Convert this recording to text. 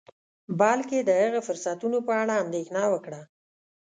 بلکې د هغه فرصتونو په اړه اندیښنه وکړه